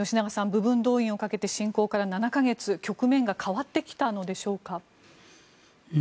部分動員をかけて侵攻から７か月局面が変わってきたのでしょうか。